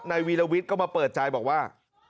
วีรวิทย์ก็มาเปิดใจบอกว่า